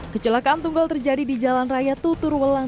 kecelakaan tunggal terjadi di jalan raya tutur welang